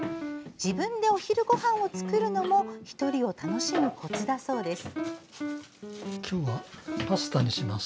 自分でお昼ごはんを作るのも１人を楽しむコツだそうです。